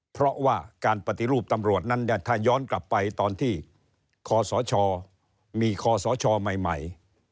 เพราะว่าการปฏิรูปตำรวจนั้นถ้าย้อนกลับไปตอนที่คศมีคอสชใหม่